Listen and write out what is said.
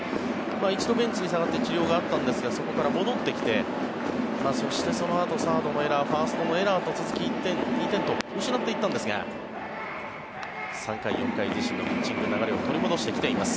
一度ベンチに下がって治療があったんですがそこから戻ってきてそして、そのあとサードのエラーファーストのエラーと続き１点、２点と失っていたんですが３回、４回自身のピッチング流れを取り戻し始めています。